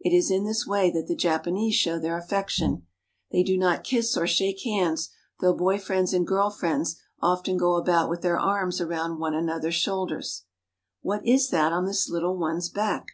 It is in this way that the Japanese show their affection. They do not kiss or shake hands, though boy friends and girl friends often go about with their arms around one another's shoulders. a^^^Ii^eapot " ^^at is that on this little one's back